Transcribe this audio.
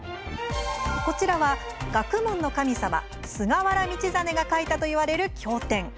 こちらは、学問の神様菅原道真が書いたといわれる経典。